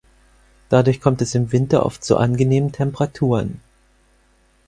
Dadurch kommt es im Winter oft zu angenehmen Temperaturen.